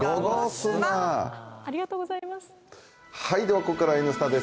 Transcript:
ここからは「Ｎスタ」です。